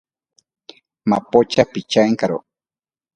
Mapocha pichaenkaro.